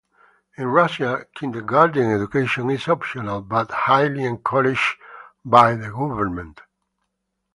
In Russia, kindergarten education is optional but highly encouraged by the government.